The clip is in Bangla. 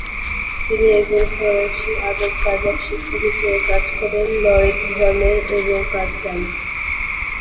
তিনি একজন ফরাসি আদবকায়দা শিক্ষক হিসেবে কাজ করেন, লরেত ভলের, এবং কাজ চান।